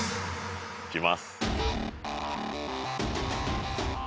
いきます